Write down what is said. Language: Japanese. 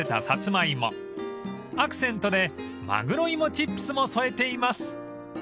［アクセントでまぐろいもチップスも添えています］